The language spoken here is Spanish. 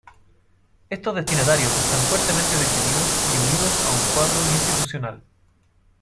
Estos destinatarios están fuertemente definidos y unidos a un cuadro institucional.